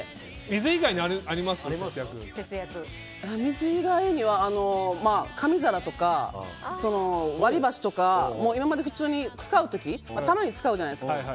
水以外には、紙皿とか割り箸とか今まで普通に使う時たまに使うじゃないですか。